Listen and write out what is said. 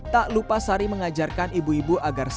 tak lupa sari mengajarkan ibu ibu agar mereka bisa mencari dan mencari